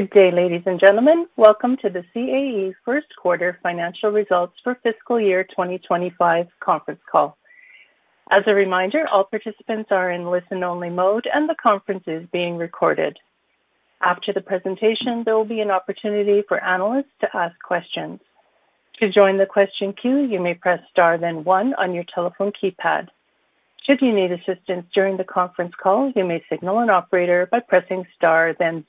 Good day, ladies and gentlemen. Welcome to the CAE First Quarter Financial Results for fiscal year 2025 conference call. As a reminder, all participants are in listen-only mode, and the conference is being recorded. After the presentation, there will be an opportunity for analysts to ask questions. To join the question queue, you may press star, then one on your telephone keypad. Should you need assistance during the conference call, you may signal an operator by pressing star, then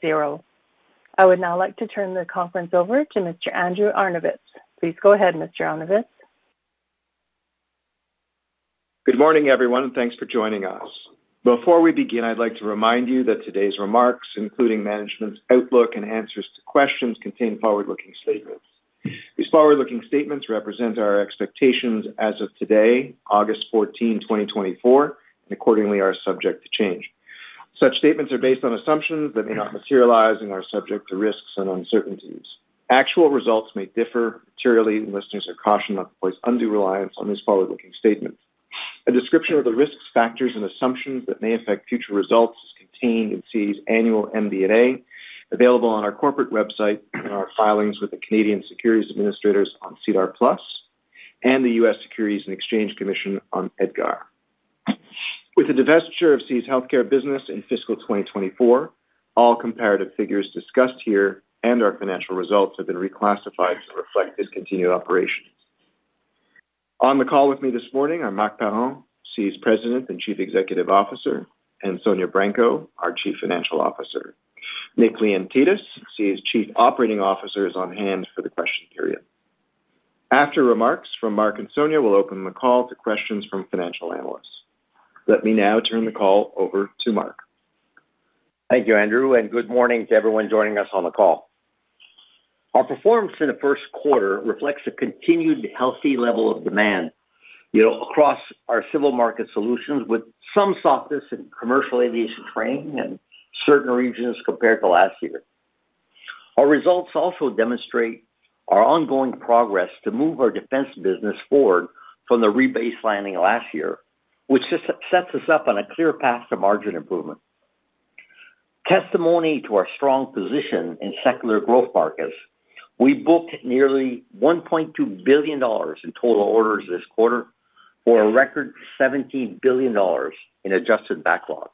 zero. I would now like to turn the conference over to Mr. Andrew Arnovitz. Please go ahead, Mr. Arnovitz. Good morning, everyone, and thanks for joining us. Before we begin, I'd like to remind you that today's remarks, including management's outlook and answers to questions, contain forward-looking statements. These forward-looking statements represent our expectations as of today, August 14, 2024, and accordingly, are subject to change. Such statements are based on assumptions that may not materialize and are subject to risks and uncertainties. Actual results may differ materially, and listeners are cautioned not to place undue reliance on these forward-looking statements. A description of the risks, factors, and assumptions that may affect future results is contained in CAE's annual MD&A, available on our corporate website and our filings with the Canadian Securities Administrators on SEDAR+ and the U.S. Securities and Exchange Commission on EDGAR. With the divestiture of CAE's healthcare business in fiscal 2024, all comparative figures discussed here and our financial results have been reclassified to reflect discontinued operations. On the call with me this morning are Marc Parent, CAE's President and Chief Executive Officer, and Sonya Branco, our Chief Financial Officer. Nick Leontidis, CAE's Chief Operating Officer, is on hand for the question period. After remarks from Marc and Sonya, we'll open the call to questions from financial analysts. Let me now turn the call over to Marc. Thank you, Andrew, and good morning to everyone joining us on the call. Our performance in the first quarter reflects a continued healthy level of demand, you know, across our Civil market solutions, with some softness in commercial aviation training in certain regions compared to last year. Our results also demonstrate our ongoing progress to move our Defense business forward from the rebaselining last year, which just sets us up on a clear path to margin improvement. Testimony to our strong position in secular growth markets, we booked nearly $1.2 billion in total orders this quarter for a record $17 billion in adjusted backlog.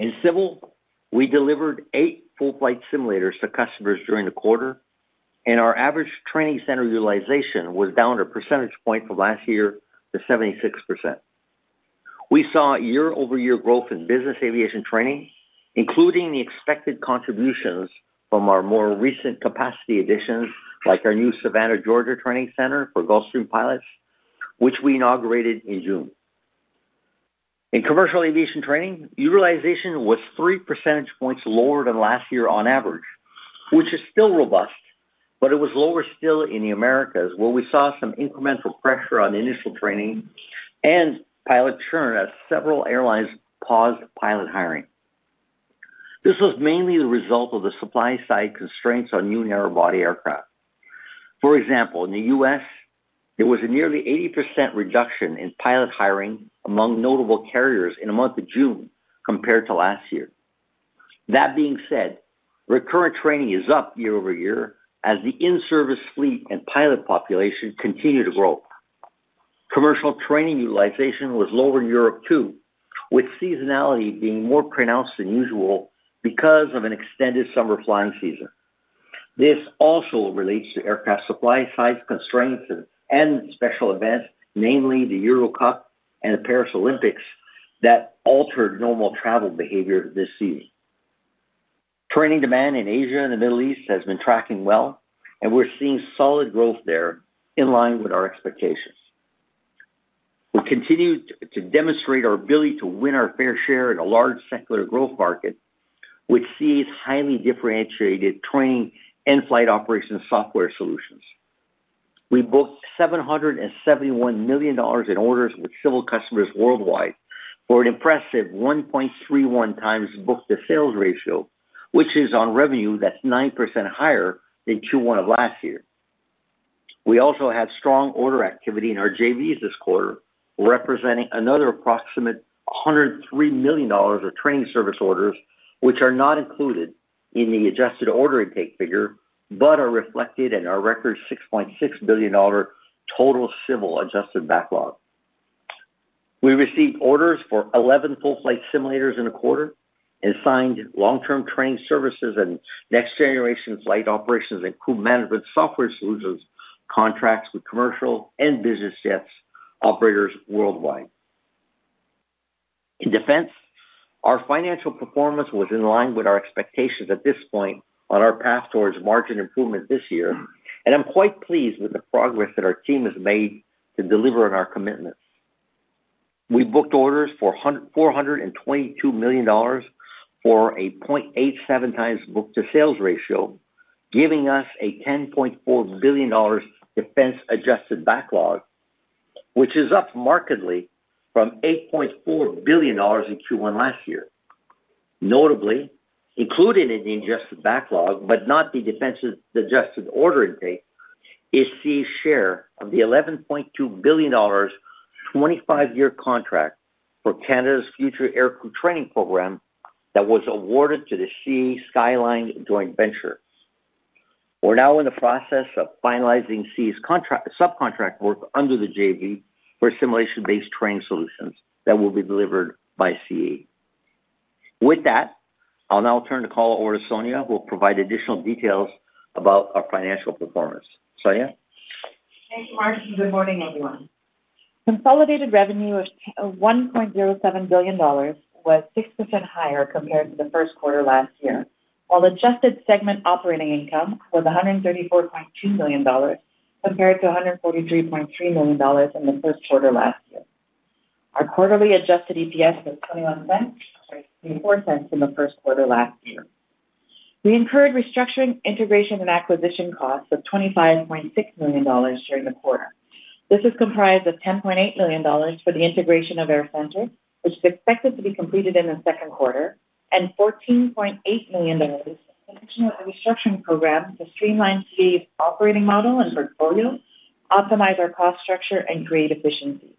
In Civil, we delivered 8 full-flight simulators to customers during the quarter, and our average training center utilization was down a percentage point from last year to 76%. We saw year-over-year growth in business aviation training, including the expected contributions from our more recent capacity additions, like our new Savannah, Georgia, training center for Gulfstream pilots, which we inaugurated in June. In commercial aviation training, utilization was three percentage points lower than last year on average, which is still robust, but it was lower still in the Americas, where we saw some incremental pressure on initial training and pilot churn as several airlines paused pilot hiring. This was mainly the result of the supply-side constraints on new narrow-body aircraft. For example, in the U.S., there was a nearly 80% reduction in pilot hiring among notable carriers in the month of June compared to last year. That being said, recurrent training is up year-over-year as the in-service fleet and pilot population continue to grow. Commercial training utilization was lower in Europe, too, with seasonality being more pronounced than usual because of an extended summer flying season. This also relates to aircraft supply-side constraints and special events, namely the Euro Cup and the Paris Olympics, that altered normal travel behavior this season. Training demand in Asia and the Middle East has been tracking well, and we're seeing solid growth there in line with our expectations. We continue to demonstrate our ability to win our fair share in a large secular growth market, which sees highly differentiated training and flight operations software solutions. We booked $771 million in orders with Civil customers worldwide for an impressive 1.31x book-to-sales ratio, which is on revenue that's 9% higher than Q1 of last year. We also had strong order activity in our JVs this quarter, representing another approximate $103 million of training service orders, which are not included in the adjusted order intake figure, but are reflected in our record $6.6 billion total Civil adjusted backlog. We received orders for 11 full-flight simulators in a quarter and signed long-term training services and next-generation flight operations and crew management software solutions, contracts with commercial and business jets operators worldwide. In Defense, our financial performance was in line with our expectations at this point on our path towards margin improvement this year, and I'm quite pleased with the progress that our team has made to deliver on our commitments. We booked orders for $422 million, or a 0.87x book-to-sales ratio, giving us a $10.4 billion Defense-adjusted backlog, which is up markedly from $8.4 billion in Q1 last year. Notably, including in the adjusted backlog, but not the Defense-adjusted order intake is CAE's share of the $1.2 billion, 25-year contract for Canada's future aircrew training program that was awarded to the CAE SkyAlyne Joint Venture. We're now in the process of finalizing CAE's contract subcontract work under the JV for simulation-based training solutions that will be delivered by CAE. With that, I'll now turn the call over to Sonya, who will provide additional details about our financial performance. Sonya? Thank you, Marc, and good morning, everyone. Consolidated revenue of 1.07 billion dollars was 6% higher compared to the first quarter last year, while adjusted segment operating income was $134.2 million, compared to $143.3 million in the first quarter last year. Our quarterly adjusted EPS was $0.21, sorry, $0.24 in the first quarter last year. We incurred restructuring, integration, and acquisition costs of $25.6 million during the quarter. This is comprised of $10.8 million for the integration of AirCentre, which is expected to be completed in the second quarter, and $14.8 million in additional restructuring program to streamline CAE's operating model and portfolio, optimize our cost structure and create efficiency.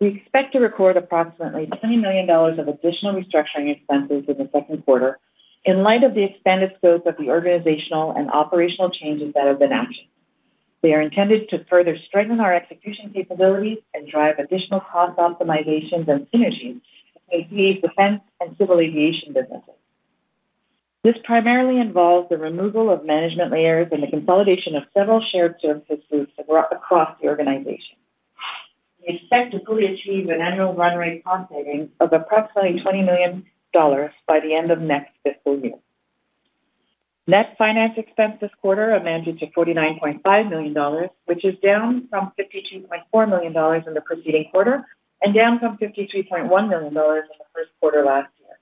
We expect to record approximately $20 million of additional restructuring expenses in the second quarter in light of the expanded scope of the organizational and operational changes that have been actioned. They are intended to further strengthen our execution capabilities and drive additional cost optimizations and synergies in CAE's Defense and Civil Aviation businesses. This primarily involves the removal of management layers and the consolidation of several shared services groups across the organization. We expect to fully achieve an annual run rate cost savings of approximately $20 million by the end of next fiscal year. Net finance expense this quarter amounted to $49.5 million, which is down from $52.4 million in the preceding quarter and down from $53.1 million in the first quarter last year.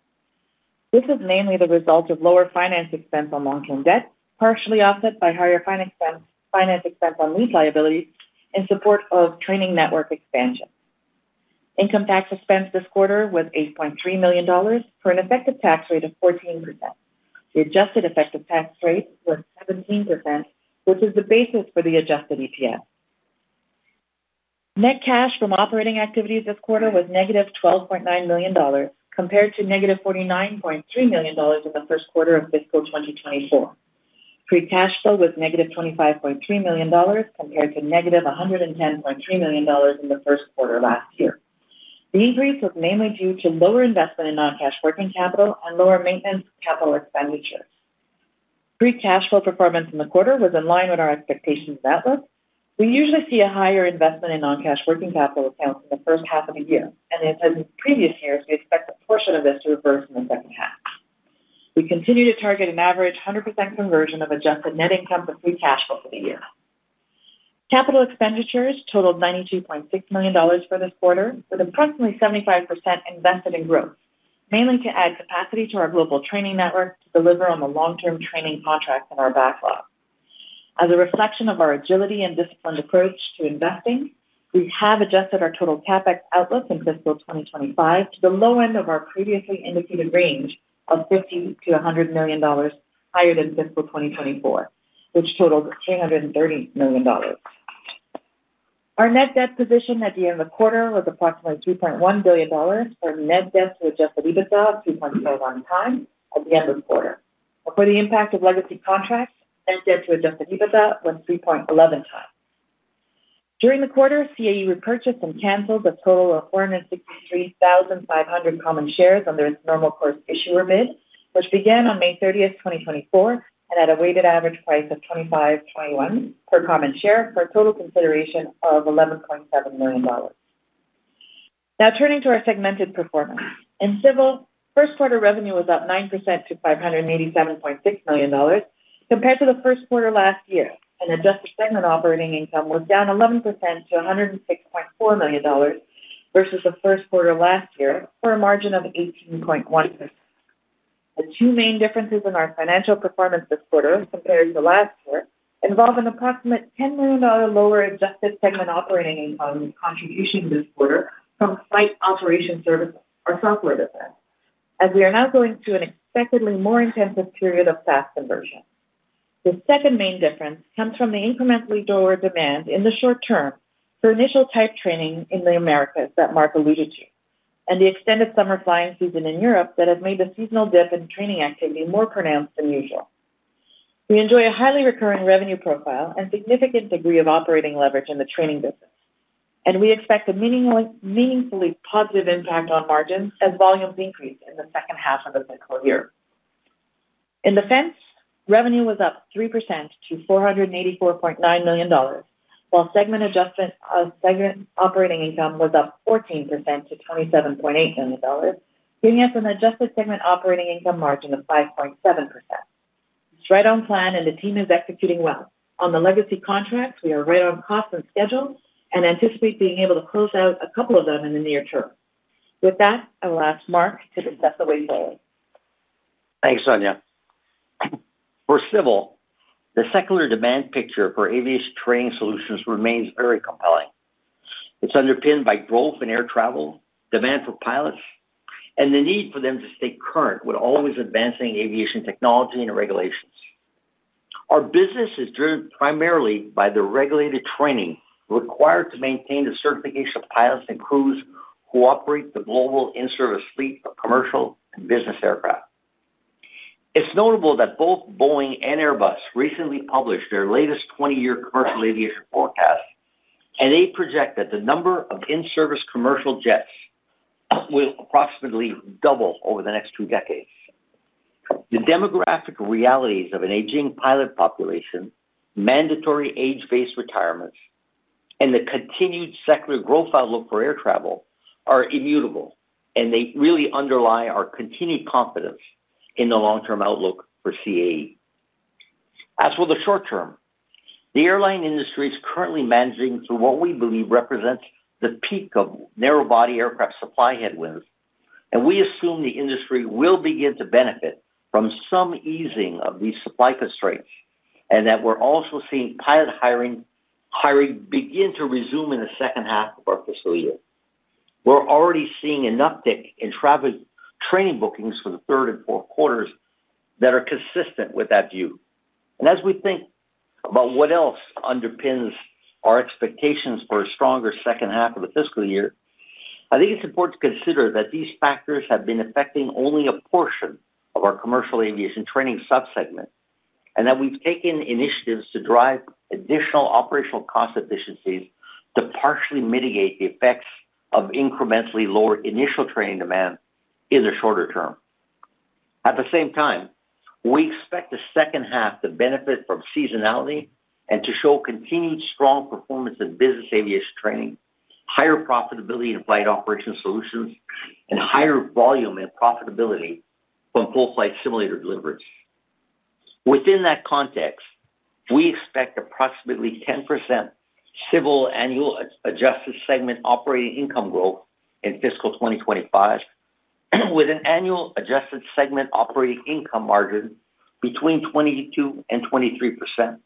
This is mainly the result of lower finance expense on long-term debt, partially offset by higher finance expense, finance expense on lease liabilities in support of training network expansion. Income tax expense this quarter was $8.3 million, for an effective tax rate of 14%. The adjusted effective tax rate was 17%, which is the basis for the adjusted EPS. Net cash from operating activities this quarter was -$12.9 million, compared to -$49.3 million in the first quarter of fiscal 2024. Free cash flow was -$25.3 million, compared to -$110.3 million in the first quarter last year. The increase was mainly due to lower investment in non-cash working capital and lower maintenance capital expenditures. Free cash flow performance in the quarter was in line with our expectations outlook. We usually see a higher investment in non-cash working capital accounts in the first half of the year, and as in previous years, we expect a portion of this to reverse in the second half. We continue to target an average 100% conversion of adjusted net income to free cash flow for the year. Capital expenditures totaled $92.6 million for this quarter, with approximately 75% invested in growth, mainly to add capacity to our global training network to deliver on the long-term training contracts in our backlog. As a reflection of our agility and disciplined approach to investing, we have adjusted our total CapEx outlook in fiscal 2025 to the low end of our previously indicated range of $50 million-$100 million higher than fiscal 2024, which totaled $330 million. Our net debt position at the end of the quarter was approximately $2.1 billion, for a net debt to adjusted EBITDA of 2.01x at the end of the quarter. Accounting for impact of legacy contracts, net debt to adjusted EBITDA was 3.11x. During the quarter, CAE repurchased and canceled a total of 463,500 common shares under its normal course issuer bid, which began on May 30, 2024, and at a weighted average price of $25.21 per common share, for a total consideration of $11.7 million. Now, turning to our segmented performance. In Civil, first quarter revenue was up 9% to $587.6 million compared to the first quarter last year, and adjusted segment operating income was down 11% to $106.4 million versus the first quarter last year, for a margin of 18.1%. The two main differences in our financial performance this quarter compared to last year involve an approximately $10 million lower adjusted segment operating income contribution this quarter from flight operation services, our software business, as we are now going through an expectedly more intensive period of SaaS conversion. The second main difference comes from the incrementally lower demand in the short term for initial type training in the Americas that Marc alluded to, and the extended summer flying season in Europe that has made the seasonal dip in training activity more pronounced than usual. We enjoy a highly recurring revenue profile and significant degree of operating leverage in the training business, and we expect a meaningfully positive impact on margins as volumes increase in the second half of the fiscal year. In Defense, revenue was up 3% to $484.9 million, while adjusted segment operating income was up 14% to $27.8 million, giving us an adjusted segment operating income margin of 5.7%. It's right on plan and the team is executing well. On the legacy contracts, we are right on cost and schedule and anticipate being able to close out a couple of them in the near term. With that, I will ask Marc to discuss the way forward. Thanks, Sonya. For Civil, the secular demand picture for aviation training solutions remains very compelling. It's underpinned by growth in air travel, demand for pilots, and the need for them to stay current with always advancing aviation technology and regulations. Our business is driven primarily by the regulated training required to maintain the certification of pilots and crews who operate the global in-service fleet of commercial and business aircraft. It's notable that both Boeing and Airbus recently published their latest 20-year commercial aviation forecast, and they project that the number of in-service commercial jets will approximately double over the next two decades. The demographic realities of an aging pilot population, mandatory age-based retirements, and the continued secular growth outlook for air travel are immutable, and they really underlie our continued confidence in the long-term outlook for CAE. As for the short term, the airline industry is currently managing through what we believe represents the peak of narrow-body aircraft supply headwinds, and we assume the industry will begin to benefit from some easing of these supply constraints, and that we're also seeing pilot hiring, hiring begin to resume in the second half of our fiscal year. We're already seeing an uptick in traffic training bookings for the third and fourth quarters that are consistent with that view. As we think about what else underpins our expectations for a stronger second half of the fiscal year, I think it's important to consider that these factors have been affecting only a portion of our commercial aviation training sub-segment, and that we've taken initiatives to drive additional operational cost efficiencies to partially mitigate the effects of incrementally lower initial training demand in the shorter term. At the same time, we expect the second half to benefit from seasonality and to show continued strong performance in business aviation training, higher profitability in flight operations solutions, and higher volume and profitability from full flight simulator deliveries. Within that context, we expect approximately 10% Civil annual adjusted segment operating income growth in fiscal 2025, with an annual adjusted segment operating income margin between 22% and 23%,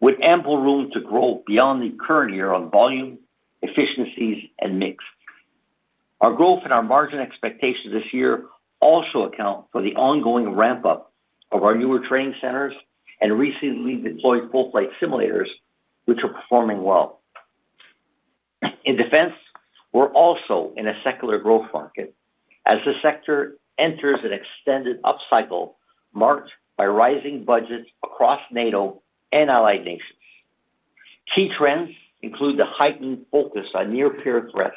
with ample room to grow beyond the current year on volume, efficiencies, and mix. Our growth and our margin expectations this year also account for the ongoing ramp-up of our newer training centers and recently deployed full flight simulators, which are performing well. In Defense, we're also in a secular growth market as the sector enters an extended upcycle marked by rising budgets across NATO and allied nations. Key trends include the heightened focus on near peer threats,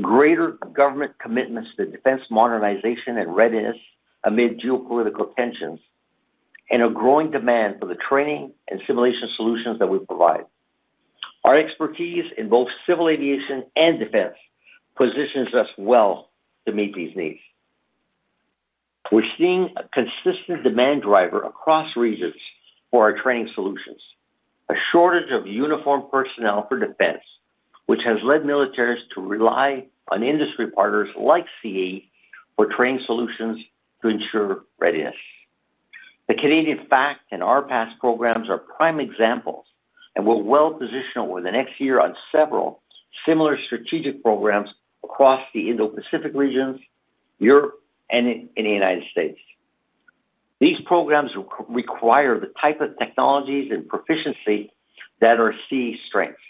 greater government commitments to Defense modernization and readiness amid geopolitical tensions, and a growing demand for the training and simulation solutions that we provide. Our expertise in both Civil Aviation and Defense positions us well to meet these needs. We're seeing a consistent demand driver across regions for our training solutions, a shortage of uniformed personnel for Defense, which has led militaries to rely on industry partners like CAE for training solutions to ensure readiness. The Canadian FAcT and RPAS programs are prime examples, and we're well-positioned over the next year on several similar strategic programs across the Indo-Pacific regions, Europe, and in the United States. These programs require the type of technologies and proficiency that are CAE's strengths,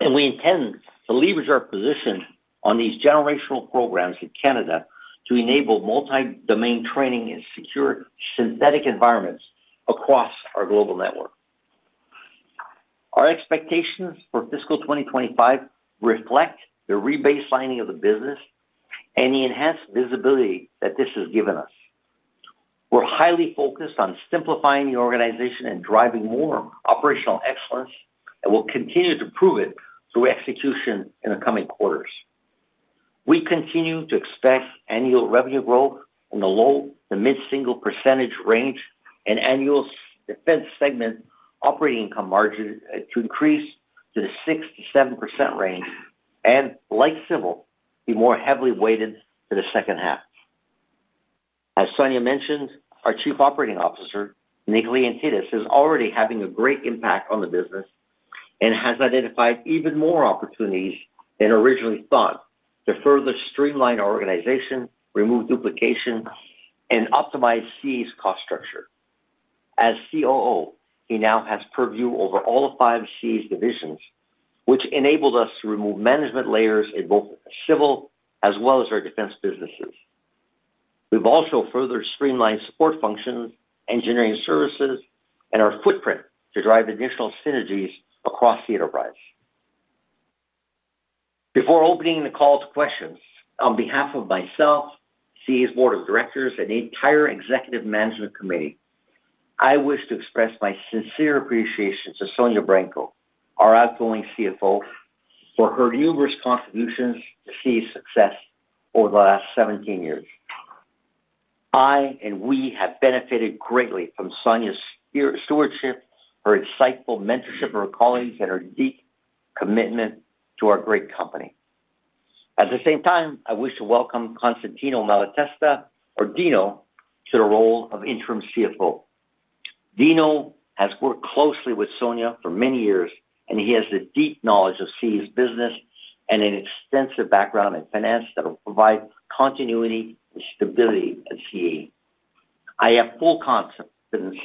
and we intend to leverage our position on these generational programs in Canada to enable multi-domain training in secure synthetic environments across our global network. Our expectations for fiscal 2025 reflect the rebaselining of the business and the enhanced visibility that this has given us. We're highly focused on simplifying the organization and driving more operational excellence, and we'll continue to prove it through execution in the coming quarters. We continue to expect annual revenue growth in the low- to mid-single percentage range and annual Defense segment operating income margin to increase to the 6%-7% range, and like Civil, be more heavily weighted to the second half. As Sonya mentioned, our Chief Operating Officer, Nick Leontidis, is already having a great impact on the business and has identified even more opportunities than originally thought to further streamline our organization, remove duplication, and optimize CAE's cost structure. As COO, he now has purview over all of CAE's divisions, which enabled us to remove management layers in both Civil as well as our Defense businesses. We've also further streamlined support functions, engineering services, and our footprint to drive additional synergies across the enterprise. Before opening the call to questions, on behalf of myself, CAE's board of directors, and the entire executive management committee, I wish to express my sincere appreciation to Sonya Branco, our outgoing CFO, for her numerous contributions to CAE's success over the last 17 years. I and we have benefited greatly from Sonya's stewardship, her insightful mentorship of her colleagues, and her deep commitment to our great company. At the same time, I wish to welcome Constantino Malatesta, or Dino, to the role of interim CFO. Dino has worked closely with Sonya for many years, and he has a deep knowledge of CAE's business and an extensive background in finance that will provide continuity and stability at CAE. I have full confidence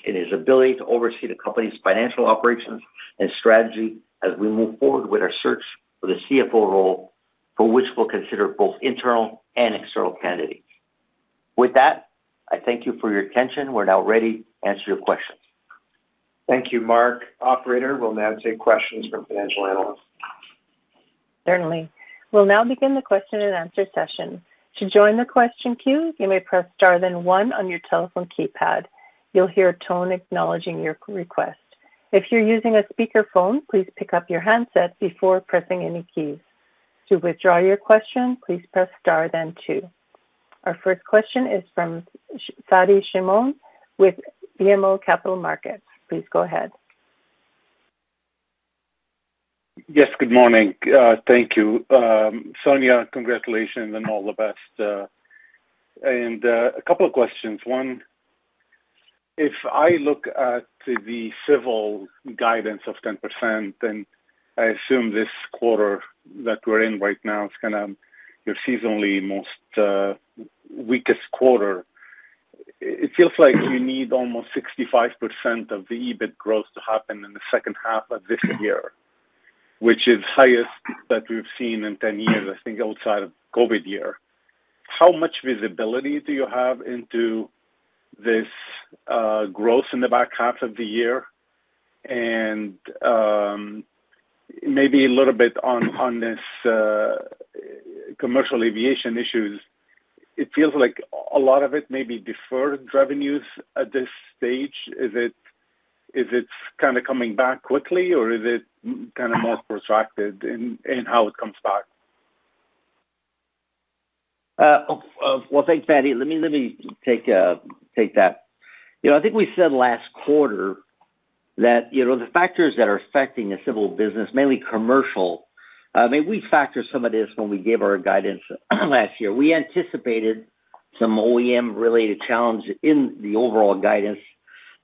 in his ability to oversee the company's financial operations and strategy as we move forward with our search for the CFO role, for which we'll consider both internal and external candidates. With that, I thank you for your attention. We're now ready to answer your questions. Thank you, Marc. Operator, we'll now take questions from financial analysts. Certainly. We'll now begin the question and answer session. To join the question queue, you may press star, then one on your telephone keypad. You'll hear a tone acknowledging your request. If you're using a speakerphone, please pick up your handset before pressing any keys. To withdraw your question, please press star then two. Our first question is from [Fadi Chamoun] with BMO Capital Markets. Please go ahead. Yes, good morning. Thank you. Sonya, congratulations and all the best. And a couple of questions. One, if I look at the Civil guidance of 10%, then I assume this quarter that we're in right now is gonna, your seasonally most weakest quarter. It feels like you need almost 65% of the EBIT growth to happen in the second half of this year, which is highest that we've seen in 10 years, I think, outside of COVID year. How much visibility do you have into this growth in the back half of the year? And maybe a little bit on this commercial aviation issues, it feels like a lot of it may be deferred revenues at this stage. Is it kind of coming back quickly, or is it kind of more protracted in how it comes back? Well, thanks, Fadi. Let me take that. You know, I think we said last quarter that, you know, the factors that are affecting the Civil business, mainly commercial. I mean, we factored some of this when we gave our guidance last year. We anticipated some OEM-related challenge in the overall guidance,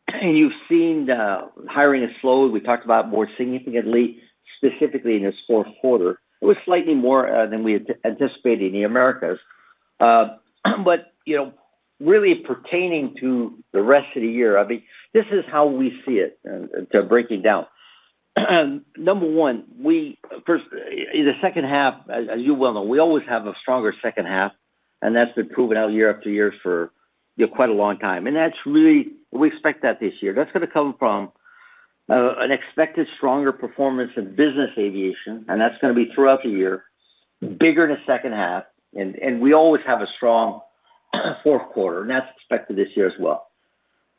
and you've seen hiring has slowed. We talked about more significantly, specifically in this fourth quarter. It was slightly more than we had anticipated in the Americas. But, you know, really pertaining to the rest of the year, I mean, this is how we see it to breaking down. Number one, first, in the second half, as you well know, we always have a stronger second half, and that's been proven out year after year for, you know, quite a long time. That's really. We expect that this year. That's gonna come from an expected stronger performance in business aviation, and that's gonna be throughout the year, bigger in the second half, and we always have a strong fourth quarter, and that's expected this year as well.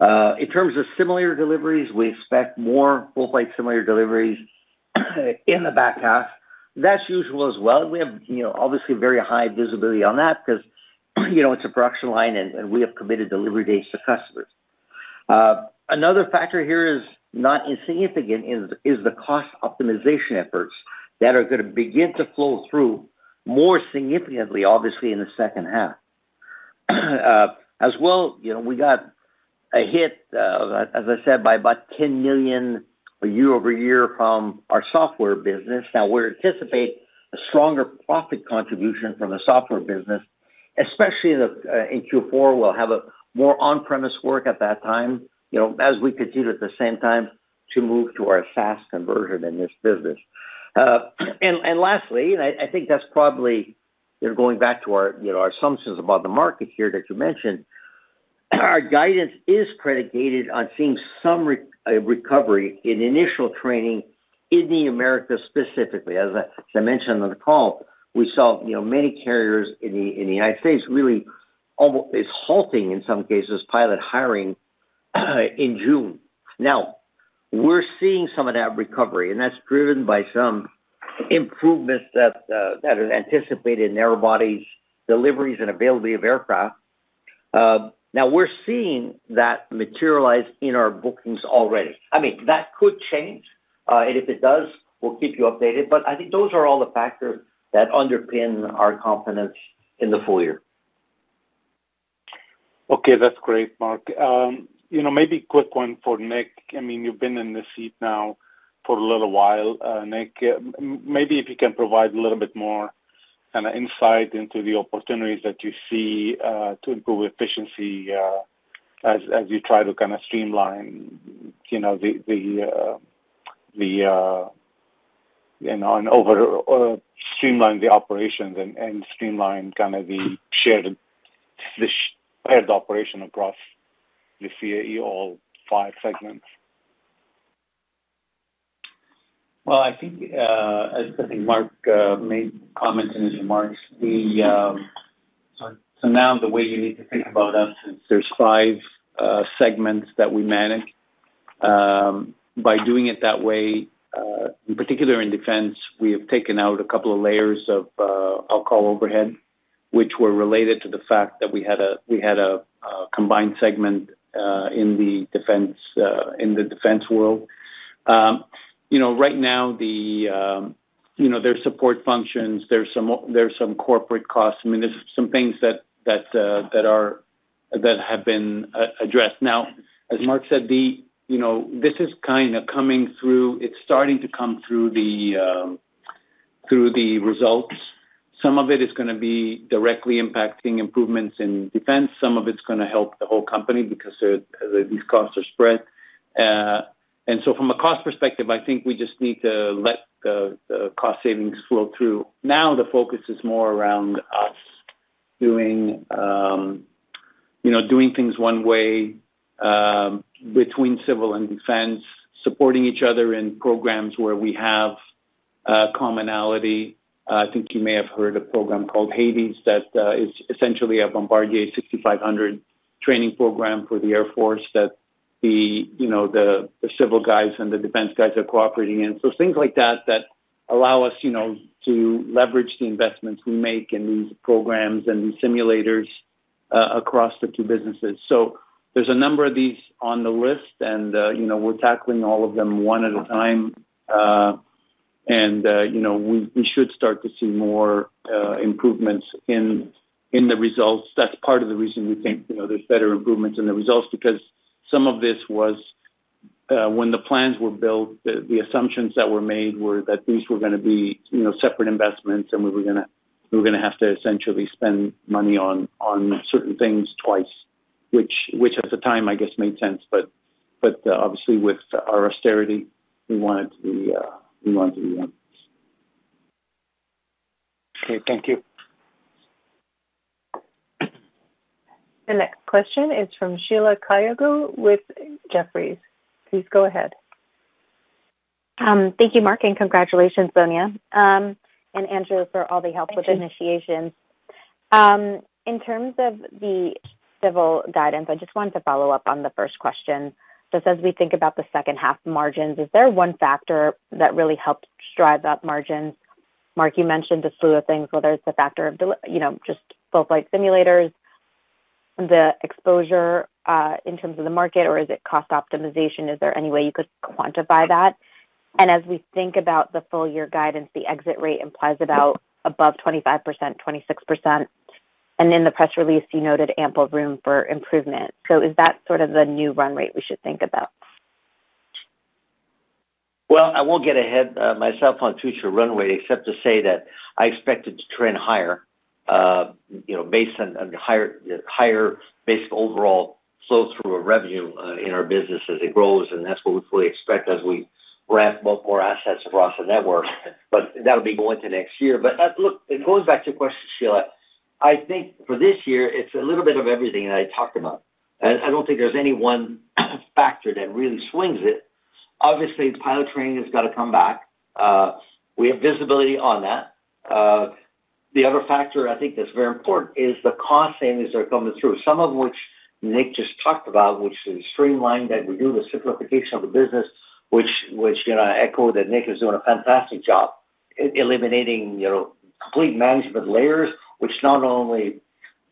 In terms of simulator deliveries, we expect more full-flight simulator deliveries in the back half. That's usual as well. We have, you know, obviously very high visibility on that because, you know, it's a production line, and we have committed delivery dates to customers. Another factor here is not insignificant, is the cost optimization efforts that are gonna begin to flow through more significantly, obviously, in the second half. As well, you know, we got a hit, as I said, by about $10 million year-over-year from our software business. Now, we anticipate a stronger profit contribution from the software business, especially in the, in Q4, we'll have a more on-premise work at that time, you know, as we continue at the same time to move to our SaaS conversion in this business. And lastly, and I think that's probably, you know, going back to our, you know, our assumptions about the market here that you mentioned, our guidance is predicated on seeing some recovery in initial training in the Americas, specifically. As I mentioned on the call, we saw, you know, many carriers in the, in the United States really almost halting, in some cases, pilot hiring in June. Now, we're seeing some of that recovery, and that's driven by some improvements that are anticipated in narrowbodies, deliveries, and availability of aircraft. Now, we're seeing that materialize in our bookings already. I mean, that could change, and if it does, we'll keep you updated. But I think those are all the factors that underpin our confidence in the full year. Okay, that's great, Marc. You know, maybe a quick one for Nick. I mean, you've been in this seat now for a little while. Nick, maybe if you can provide a little bit more kind of insight into the opportunities that you see to improve efficiency as you try to kind of streamline, you know, the operations and streamline kind of the shared operation across the CAE all five segments. Well, I think, as I think Marc made comments in his remarks, the... So now the way you need to think about us is there's five segments that we manage. By doing it that way, in particular in Defense, we have taken out a couple of layers of, I'll call overhead, which were related to the fact that we had a, we had a, a combined segment, in the Defense, in the Defense world.... you know, right now, you know, there's support functions. There's some corporate costs. I mean, there's some things that have been addressed. Now, as Marc said, you know, this is kind of coming through. It's starting to come through the results. Some of it is gonna be directly impacting improvements in Defense. Some of it's gonna help the whole company because these costs are spread. And so from a cost perspective, I think we just need to let the cost savings flow through. Now the focus is more around us doing, you know, doing things one way, between Civil and Defense, supporting each other in programs where we have commonality. I think you may have heard a program called HADES, that is essentially a Bombardier 6500 training program for the Air Force that the, you know, the Civil guys and the Defense guys are cooperating in. So things like that, that allow us, you know, to leverage the investments we make in these programs and these simulators across the two businesses. So there's a number of these on the list, and, you know, we're tackling all of them one at a time. And, you know, we should start to see more improvements in the results. That's part of the reason we think, you know, there's better improvements in the results, because some of this was when the plans were built, the assumptions that were made were that these were gonna be, you know, separate investments, and we were gonna have to essentially spend money on certain things twice, which at the time, I guess, made sense, but obviously with our austerity, we want it to be once. Okay, thank you. The next question is from Sheila Kahyaoglu with Jefferies. Please go ahead. Thank you, Marc, and congratulations, Sonya, and Andrew, for all the help with initiation. Thank you. In terms of the Civil guidance, I just wanted to follow up on the first question. Just as we think about the second half margins, is there one factor that really helped drive up margins? Marc, you mentioned a slew of things, so there's the factor of you know, just full-flight simulators, the exposure, in terms of the market, or is it cost optimization? Is there any way you could quantify that? And as we think about the full year guidance, the exit rate implies about above 25%, 26%, and in the press release, you noted ample room for improvement. So is that sort of the new run rate we should think about? Well, I won't get ahead of myself on future run rate, except to say that I expect it to trend higher, you know, based on the higher, higher basic overall flow through of revenue in our business as it grows, and that's what we fully expect as we ramp more assets across the network. But that'll be going to next year. But look, it goes back to your question, Sheila. I think for this year, it's a little bit of everything that I talked about. I don't think there's any one factor that really swings it. Obviously, pilot training has got to come back. We have visibility on that. The other factor I think that's very important is the cost savings are coming through, some of which Nick just talked about, which is the streamline that we do, the simplification of the business, which you know, I echo that Nick is doing a fantastic job eliminating, you know, complete management layers, which not only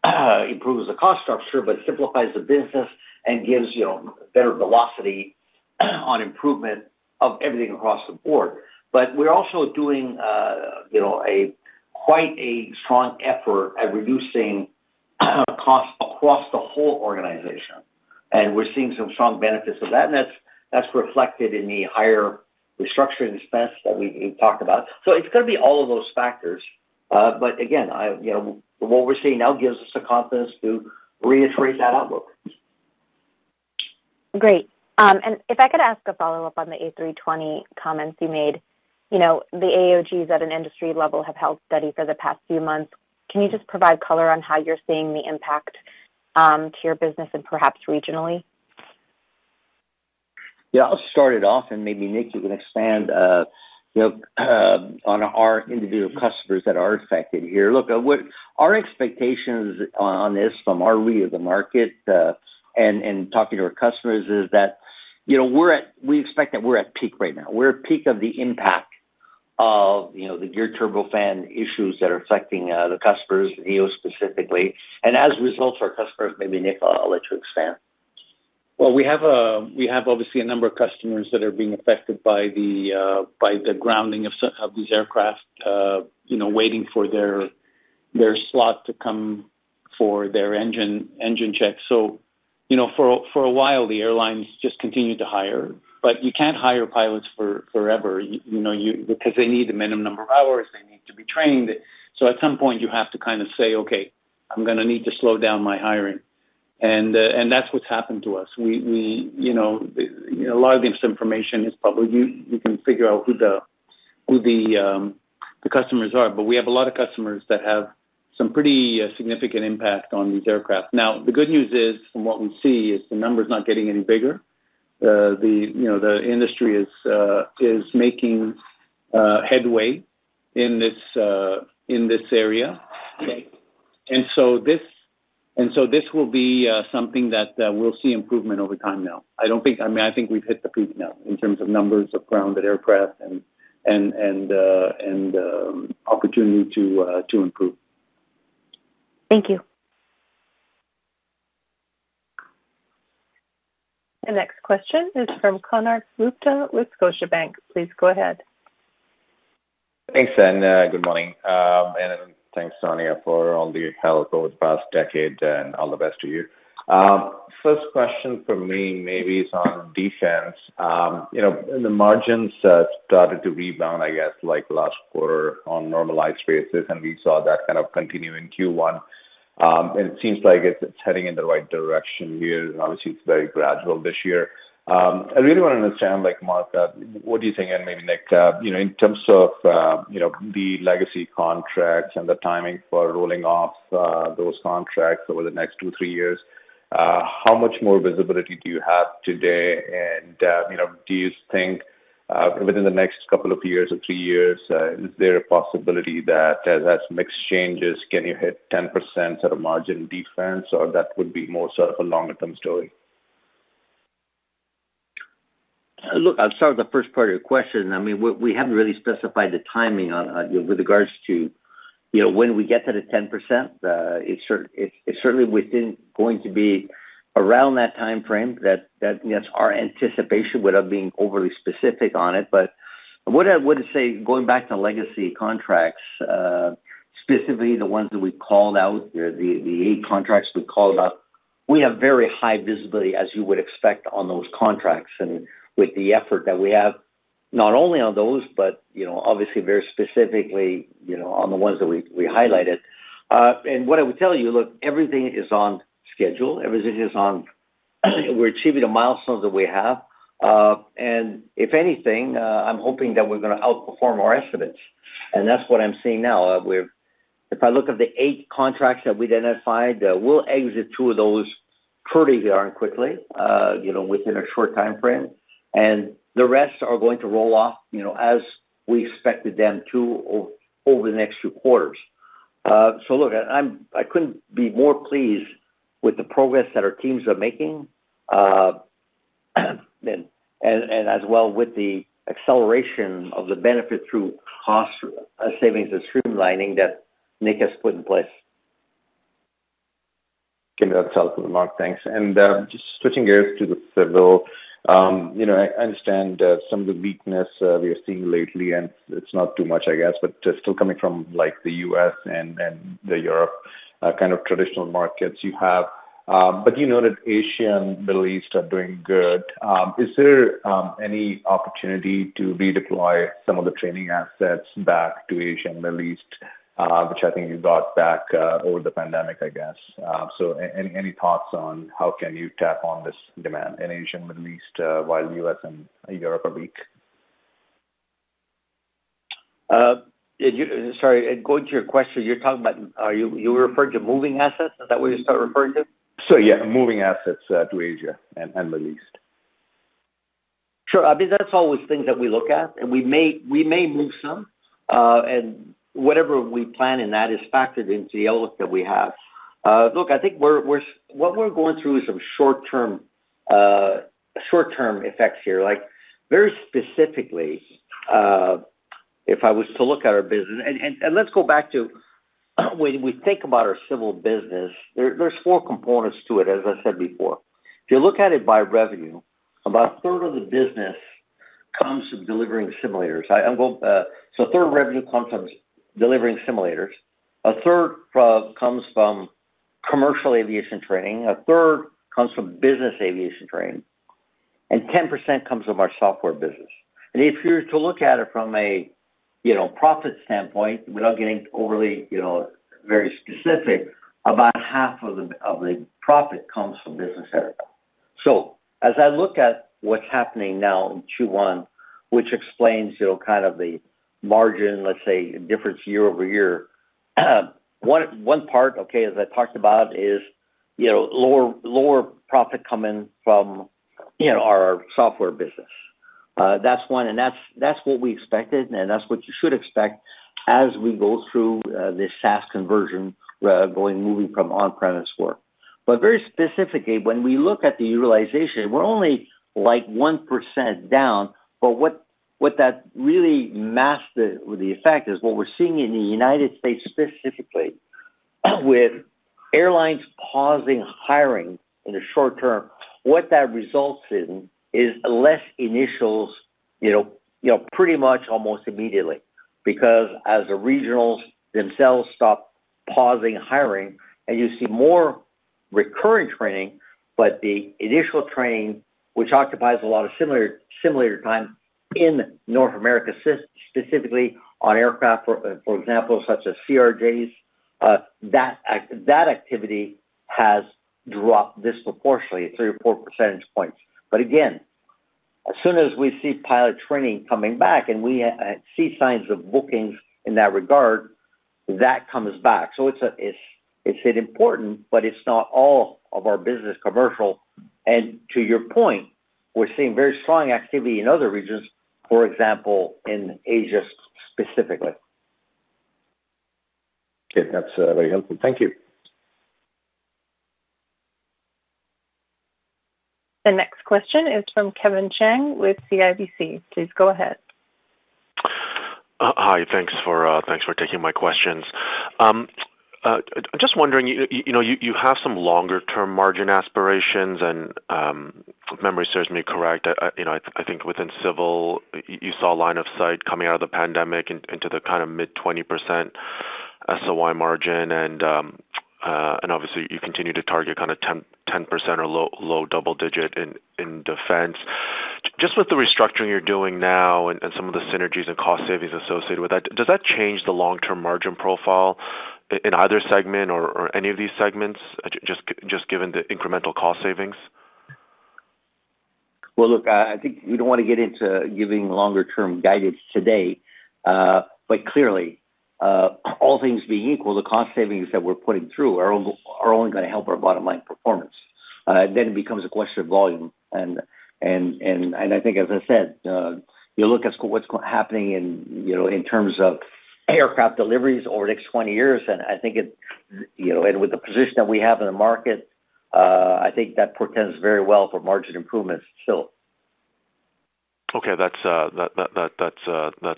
improves the cost structure, but simplifies the business and gives, you know, better velocity on improvement of everything across the board. But we're also doing, you know, quite a strong effort at reducing costs across the whole organization, and we're seeing some strong benefits of that, and that's reflected in the higher restructuring expense that we talked about. So it's got to be all of those factors. But again, I... You know, what we're seeing now gives us the confidence to reiterate that outlook. Great. If I could ask a follow-up on the A320 comments you made. You know, the AOGs at an industry level have held steady for the past few months. Can you just provide color on how you're seeing the impact to your business and perhaps regionally? Yeah, I'll start it off, and maybe, Nick, you can expand, you know, on our individual customers that are affected here. Look, what our expectations on this from our read of the market, and talking to our customers is that, you know, we expect that we're at peak right now. We're at peak of the impact of, you know, the geared turbofan issues that are affecting the customers, Neo specifically, and as a result, our customers. Maybe, Nick, I'll let you expand. Well, we have, we have obviously a number of customers that are being affected by the, by the grounding of of these aircraft, you know, waiting for their, their slot to come for their engine, engine checks. So, you know, for a while, the airlines just continued to hire, but you can't hire pilots for forever, you know, you... Because they need a minimum number of hours, they need to be trained. So at some point, you have to kind of say, "Okay, I'm gonna need to slow down my hiring." And, and that's what's happened to us. We, we, you know, a lot of this information is public. You, you can figure out who the, who the, the customers are, but we have a lot of customers that have some pretty, significant impact on these aircraft. Now, the good news is, from what we see, is the number is not getting any bigger. You know, the industry is making headway in this area. And so this will be something that we'll see improvement over time now. I don't think... I mean, I think we've hit the peak now in terms of numbers of grounded aircraft and opportunity to improve. Thank you. The next question is from Konark Gupta with Scotiabank. Please go ahead. Thanks, and good morning. Thanks, Sonya, for all the help over the past decade, and all the best to you. First question for me maybe is on Defense. You know, the margins started to rebound, I guess, like last quarter on normalized basis, and we saw that kind of continue in Q1. It seems like it's heading in the right direction here, and obviously it's very gradual this year. I really want to understand, like, Marc, what do you think, and maybe Nick, you know, in terms of, you know, the legacy contracts and the timing for rolling off those contracts over the next two, three years, how much more visibility do you have today? You know, do you think within the next couple of years or three years, is there a possibility that as some exchanges, can you hit 10% sort of margin Defense, or that would be more sort of a longer-term story? Look, I'll start with the first part of your question. I mean, we haven't really specified the timing on, with regards to, you know, when we get to the 10%. It's certainly going to be around that time frame. That's our anticipation without being overly specific on it. But what I would say, going back to legacy contracts, specifically the ones that we called out, the eight contracts we called out, we have very high visibility, as you would expect, on those contracts and with the effort that we have, not only on those, but, you know, obviously very specifically, you know, on the ones that we highlighted. And what I would tell you, look, everything is on schedule. Everything is on-- we're achieving the milestones that we have. And if anything, I'm hoping that we're gonna outperform our estimates, and that's what I'm seeing now. We've. If I look at the 8 contracts that we identified, we'll exit two of those pretty darn quickly, you know, within a short time frame, and the rest are going to roll off, you know, as we expected them to over the next few quarters. So look, I'm. I couldn't be more pleased with the progress that our teams are making, and as well with the acceleration of the benefit through cost savings and streamlining that Nick has put in place. Okay, that's helpful, Marc. Thanks. And, just switching gears to the Civil. You know, I understand, some of the weakness we are seeing lately, and it's not too much, I guess, but still coming from, like, the U.S. and then Europe, kind of traditional markets you have. But you know that Asia and Middle East are doing good. Is there any opportunity to redeploy some of the training assets back to Asia and Middle East, which I think you got back over the pandemic, I guess? So any thoughts on how can you tap on this demand in Asia and Middle East, while U.S. and Europe are weak? Sorry, going to your question, you're talking about, are you referring to moving assets? Is that what you start referring to? So, yeah, moving assets to Asia and Middle East. Sure. I mean, that's always things that we look at, and we may, we may move some, and whatever we plan in that is factored into the outlook that we have. Look, I think what we're going through is some short-term effects here. Like, very specifically, if I was to look at our business. Let's go back to when we think about our Civil business. There's four components to it, as I said before. If you look at it by revenue, about a third of the business comes from delivering simulators. So a third of revenue comes from delivering simulators, a third comes from commercial aviation training, a third comes from business aviation training, and 10% comes from our software business. If you're to look at it from a you know profit standpoint, without getting overly you know very specific, about half of the profit comes from business aviation. As I look at what's happening now in Q1, which explains you know kind of the margin, let's say, difference year-over-year, one part, okay, as I talked about is you know lower profit coming from you know our software business. That's one, and that's what we expected, and that's what you should expect as we go through this SaaS conversion, going moving from on-premise work. But very specifically, when we look at the utilization, we're only like 1% down, but what that really masks the effect is what we're seeing in the United States, specifically, with airlines pausing hiring in the short term. What that results in is less initials, you know, you know, pretty much almost immediately, because as the regionals themselves stop pausing hiring, and you see more recurring training, but the initial training, which occupies a lot of similar simulator time in North America, specifically on aircraft, for example, such as CRJs, that activity has dropped disproportionately 3 or 4 percentage points. But again, as soon as we see pilot training coming back and we see signs of bookings in that regard, that comes back. So it's a, it's important, but it's not all of our business commercial. And to your point, we're seeing very strong activity in other regions, for example, in Asia specifically. Okay. That's very helpful. Thank you. The next question is from Kevin Chiang with CIBC. Please go ahead.... Hi, thanks for taking my questions. Just wondering, you know, you have some longer-term margin aspirations, and if memory serves me correct, you know, I think within Civil, you saw a line of sight coming out of the pandemic and into the kind of mid-20% SOI margin. And obviously, you continue to target kind of 10, 10% or low double digit in Defense. Just with the restructuring you're doing now and some of the synergies and cost savings associated with that, does that change the long-term margin profile in either segment or any of these segments, just given the incremental cost savings? Well, look, I think we don't want to get into giving longer-term guidance today. But clearly, all things being equal, the cost savings that we're putting through are only, are only gonna help our bottom line performance. Then it becomes a question of volume, and I think, as I said, you look at what's happening in, you know, in terms of aircraft deliveries over the next 20 years, and I think it, you know, and with the position that we have in the market, I think that portends very well for margin improvements still. Okay, that's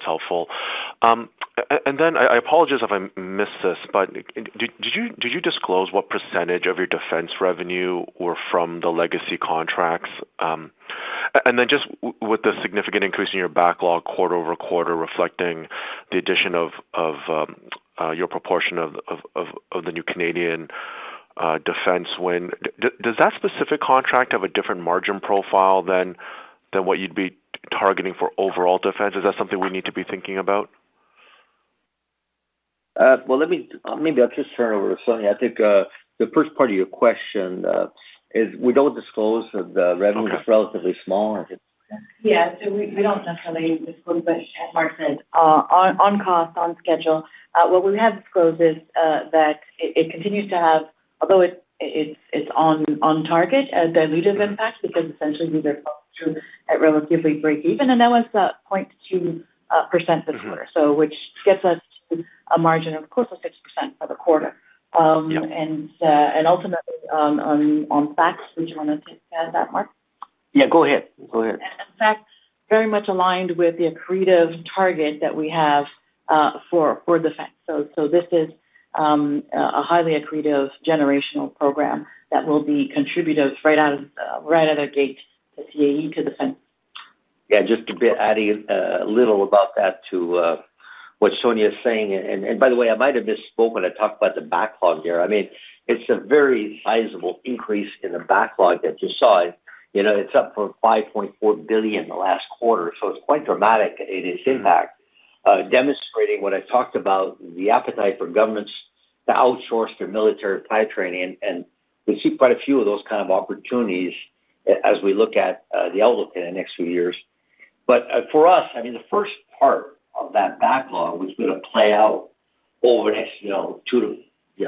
helpful. And then I apologize if I missed this, but did you disclose what percentage of your Defense revenue were from the legacy contracts? And then just with the significant increase in your backlog quarter-over-quarter, reflecting the addition of your proportion of the new Canadian Defense win. Does that specific contract have a different margin profile than what you'd be targeting for overall Defense? Is that something we need to be thinking about? Well, let me... Maybe I'll just turn it over to Sonya. I think, the first part of your question, is we don't disclose the revenue. Okay. It's relatively small. Yeah. So we don't necessarily disclose, but as Marc said, on cost, on schedule, what we have disclosed is that it continues to have, although it's on target, a dilutive impact, because essentially, we were at relatively breakeven, and that was at 0.2% this quarter. Mm-hmm. Which gets us to a margin of close to 60% for the quarter. Yeah. Ultimately, on FAcT, would you want to add to that, Marc? Yeah, go ahead. Go ahead. In fact, very much aligned with the accretive target that we have for Defense. So this is a highly accretive generational program that will be contributive right out of the gate, CAE to Defense. Yeah, just to be adding a little about that to what Sonya is saying. And by the way, I might have misspoken. I talked about the backlog there. I mean, it's a very sizable increase in the backlog that you saw. You know, it's up from $5.4 billion in the last quarter, so it's quite dramatic in its impact. Mm-hmm. Demonstrating what I talked about, the appetite for governments to outsource their military pilot training, and we see quite a few of those kind of opportunities as we look at the outlook in the next few years. But for us, I mean, the first part of that backlog, which is going to play out over the next, you know,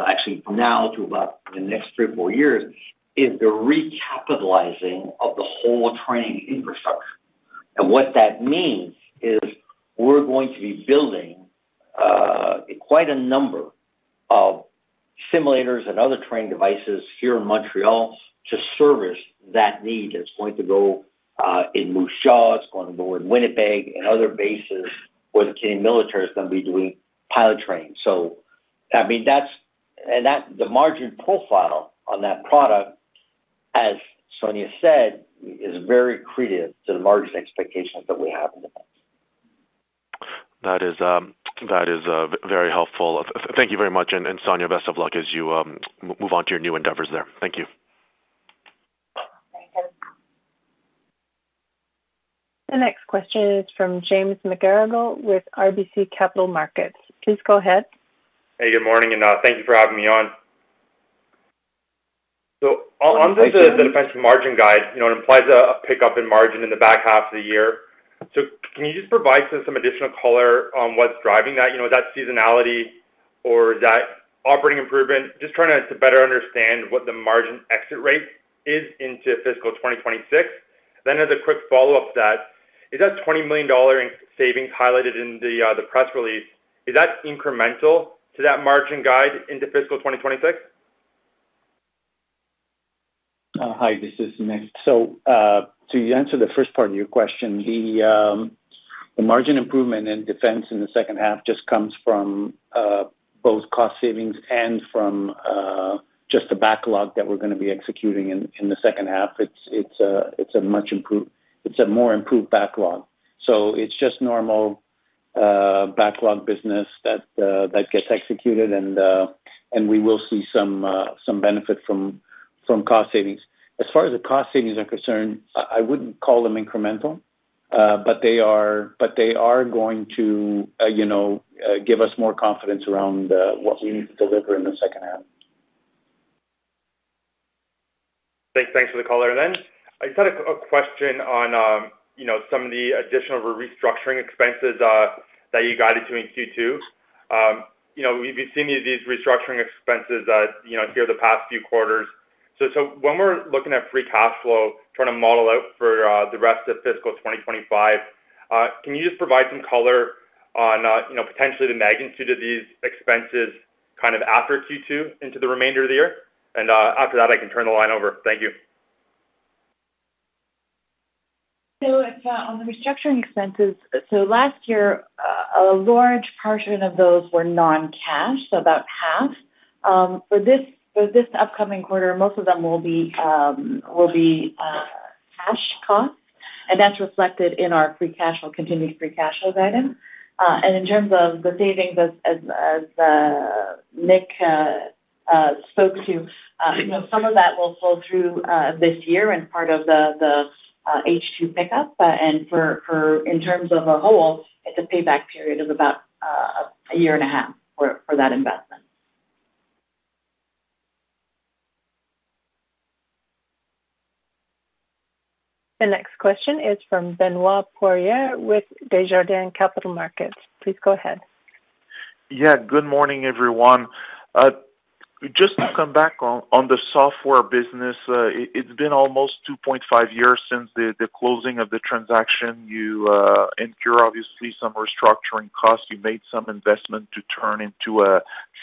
actually from now to about the next three or four years, is the recapitalizing of the whole training infrastructure. And what that means is we're going to be building quite a number of simulators and other training devices here in Montreal to service that need. That's going to go in Moose Jaw, it's going to go in Winnipeg and other bases, where the Canadian military is going to be doing pilot training. I mean, the margin profile on that product, as Sonya said, is very accretive to the margin expectations that we have in the bank. That is very helpful. Thank you very much. And Sonya, best of luck as you move on to your new endeavors there. Thank you. Thank you. The next question is from James McGarragle with RBC Capital Markets. Please go ahead. Hey, good morning, and thank you for having me on. So on the Defense margin guide, you know, it implies a pickup in margin in the back half of the year. So can you just provide some additional color on what's driving that? You know, is that seasonality or is that operating improvement? Just trying to better understand what the margin exit rate is into fiscal 2026. Then as a quick follow-up to that, is that $20 million in savings highlighted in the press release, is that incremental to that margin guide into fiscal 2026? Hi, this is Nick. So, to answer the first part of your question, the margin improvement in Defense in the second half just comes from both cost savings and from just the backlog that we're going to be executing in the second half. It's a much improved. It's a more improved backlog, so it's just normal backlog business that gets executed, and we will see some benefit from cost savings. As far as the cost savings are concerned, I wouldn't call them incremental, but they are going to, you know, give us more confidence around what we need to deliver in the second half. Thanks. Thanks for the color then. I just had a question on, you know, some of the additional restructuring expenses, that you guided to in Q2. You know, we've seen these restructuring expenses, you know, here the past few quarters. So when we're looking at free cash flow, trying to model out for, the rest of fiscal 2025, can you just provide some color on, you know, potentially the magnitude of these expenses kind of after Q2 into the remainder of the year? And, after that, I can turn the line over. Thank you. ... So it's on the restructuring expenses, so last year a large portion of those were non-cash, so about half. For this upcoming quarter, most of them will be cash costs, and that's reflected in our free cash flow, continued free cash flow item. And in terms of the savings as Nick spoke to, you know, some of that will flow through this year and part of the H2 pickup. And for in terms of a whole, it's a payback period of about a year and a half for that investment. The next question is from Benoit Poirier with Desjardins Capital Markets. Please go ahead. Yeah. Good morning, everyone. Just to come back on the software business, it's been almost 2.5 years since the closing of the transaction. You and you're obviously some restructuring costs. You made some investment to turn into a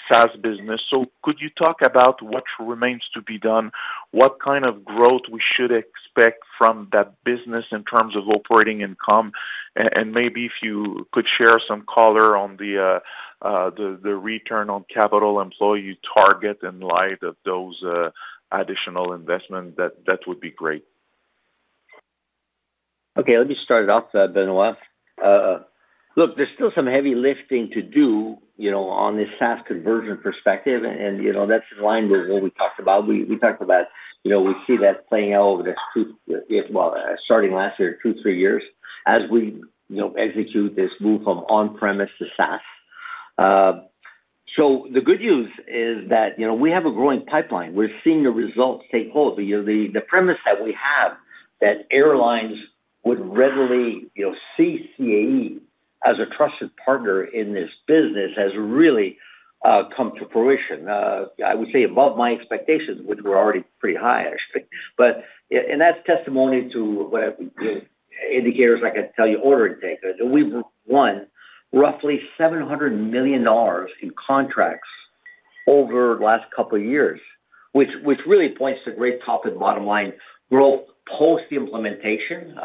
SaaS business. So could you talk about what remains to be done? What kind of growth we should expect from that business in terms of operating income? And maybe if you could share some color on the return on capital employee target in light of those additional investment, that would be great. Okay, let me start it off, Benoit. Look, there's still some heavy lifting to do, you know, on this SaaS conversion perspective, and, you know, that's in line with what we talked about. We talked about, you know, we see that playing out over this two... Well, starting last year, two, three years, as we, you know, execute this move from on-premise to SaaS. So the good news is that, you know, we have a growing pipeline. We're seeing the results take hold. You know, the premise that we have, that airlines would readily, you know, see CAE as a trusted partner in this business, has really come to fruition. I would say above my expectations, which were already pretty high, actually. But, yeah, and that's testimony to what indicators, I can tell you, order intake. We've won roughly $700 million in contracts over the last couple of years, which really points to great top and bottom line growth post-implementation.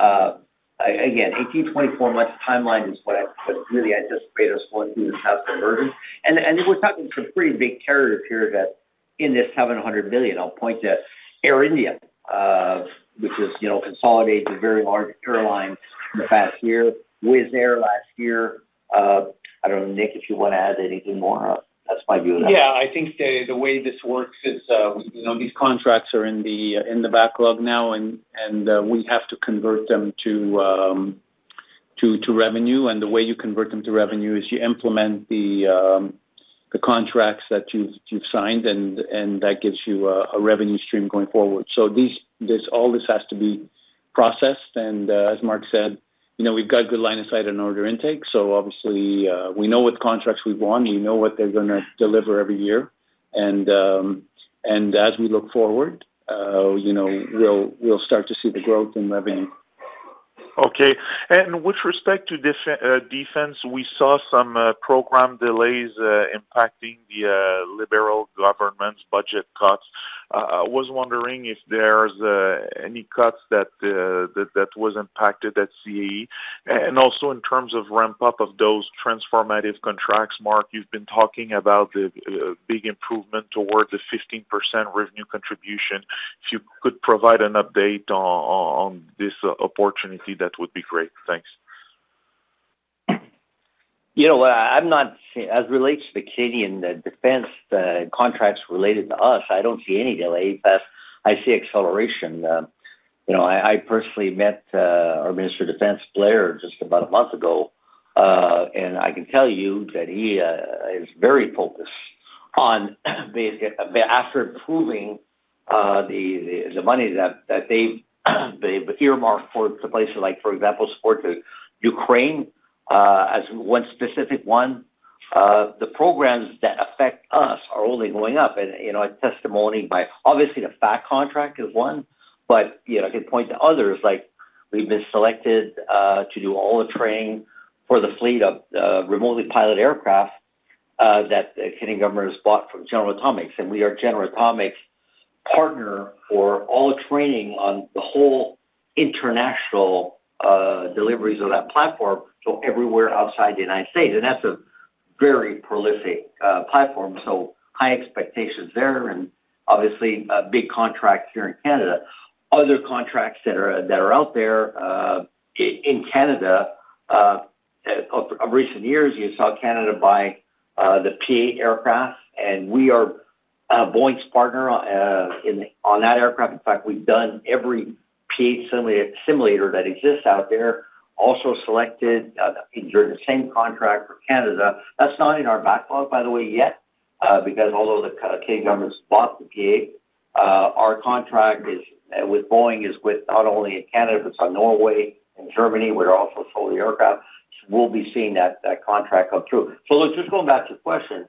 Again, 18-24 months timeline is what I really anticipate us going through this SaaS conversion. And we're talking some pretty big carriers here that in this $700 million, I'll point to Air India, which is, you know, consolidated a very large airline in the past year, Wizz Air last year. I don't know, Nick, if you want to add anything more. That's my view on that. Yeah, I think the way this works is, you know, these contracts are in the backlog now, and we have to convert them to revenue. And the way you convert them to revenue is you implement the contracts that you've signed, and that gives you a revenue stream going forward. So these, this, all this has to be processed, and as Marc said, you know, we've got good line of sight and order intake, so obviously we know what contracts we've won. We know what they're gonna deliver every year, and as we look forward, you know, we'll start to see the growth in revenue. Okay. With respect to Defense, we saw some program delays impacting the Liberal government's budget cuts. I was wondering if there's any cuts that that was impacted at CAE. Also in terms of ramp-up of those transformative contracts, Marc, you've been talking about the big improvement towards the 15% revenue contribution. If you could provide an update on this opportunity, that would be great. Thanks. You know what? I'm not seeing as it relates to the Canadian, the Defense, contracts related to us, I don't see any delay, but I see acceleration. You know, I personally met our Minister of National Defense, Bill Blair, just about a month ago, and I can tell you that he is very focused on basically, after approving, the money that they've earmarked for places like, for example, support to Ukraine, as one specific one, the programs that affect us are only going up. You know, a testimony by obviously, the FAcT contract is one, but, you know, I could point to others like we've been selected to do all the training for the fleet of remotely piloted aircraft that the Canadian government has bought from General Atomics, and we are General Atomics' partner for all the training on the whole international deliveries of that platform, so everywhere outside the United States, and that's a very prolific platform, so high expectations there, and obviously, a big contract here in Canada. Other contracts that are out there in Canada of recent years, you saw Canada buy the P-8 aircraft, and we are Boeing's partner in on that aircraft. In fact, we've done every P-8 simulator that exists out there, also selected during the same contract for Canada. That's not in our backlog, by the way, yet, because although the Canadian government bought the P-8, our contract with Boeing is with not only in Canada, but it's on Norway and Germany, where also sold the aircraft. We'll be seeing that contract come through. So let's just go back to the question.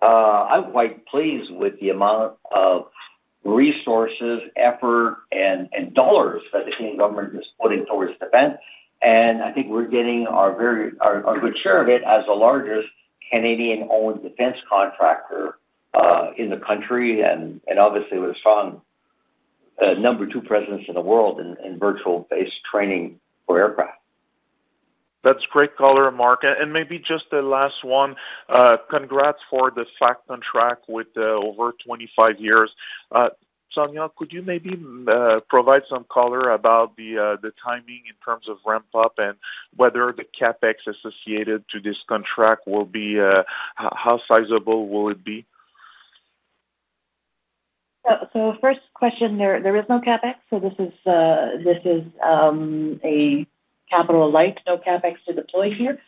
I'm quite pleased with the amount of resources, effort, and dollars that the Canadian government is putting towards Defense. And I think we're getting our very good share of it as the largest Canadian-owned Defense contractor in the country, and obviously with a strong number two presence in the world in virtual-based training for aircraft. That's great color, Marc, and maybe just the last one. Congrats for the FAcT contract with over 25 years. Sonya, could you maybe provide some color about the, the timing in terms of ramp up and whether the CapEx associated to this contract will be, how sizable will it be? First question, there is no CapEx, so this is a capital light, no CapEx to deploy here.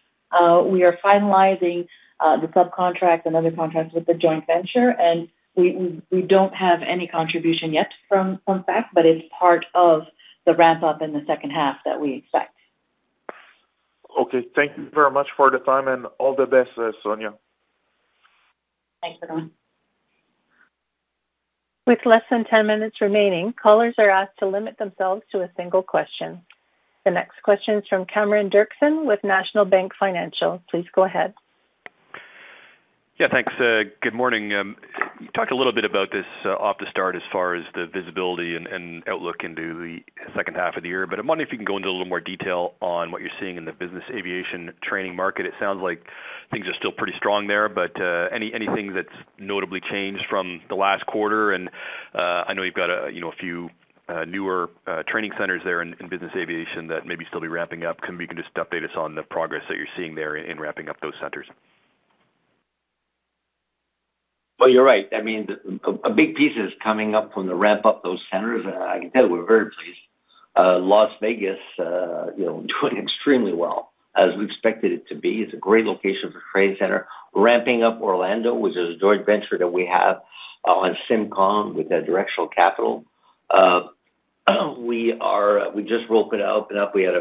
We are finalizing the subcontract and other contracts with the joint venture, and we don't have any contribution yet from FAcT, but it's part of the ramp up in the second half that we expect. Okay. Thank you very much for the time, and all the best, Sonya. Thanks, everyone. With less than 10 minutes remaining, callers are asked to limit themselves to a single question. The next question is from Cameron Doerksen with National Bank Financial. Please go ahead. Yeah, thanks. Good morning. You talked a little bit about this off the start as far as the visibility and outlook into the second half of the year, but I'm wondering if you can go into a little more detail on what you're seeing in the business aviation training market. It sounds like things are still pretty strong there, but anything that's notably changed from the last quarter? And I know you've got a, you know, a few newer training centers there in business aviation that maybe still be ramping up. Can you just update us on the progress that you're seeing there in ramping up those centers? Well, you're right. I mean, a big piece is coming up from the ramp up those centers, and I can tell you we're very pleased. Las Vegas, you know, doing extremely well, as we expected it to be. It's a great location for a training center. Ramping up Orlando, which is a joint venture that we have on SIMCOM with Directional Capital. We just opened up. We had,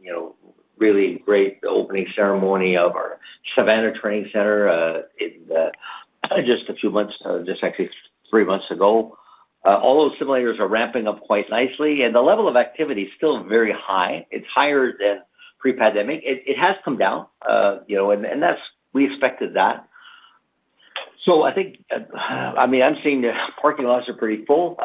you know, really great opening ceremony of our Savannah training center in just a few months, just actually 3 months ago. All those simulators are ramping up quite nicely, and the level of activity is still very high. It's higher than pre-pandemic. It has come down, you know, and that's... We expected that. So I think, I mean, I'm seeing the parking lots are pretty full.